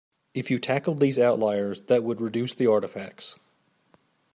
If you tackled these outliers that would reduce the artifacts.